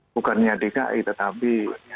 bukannya dki tetapi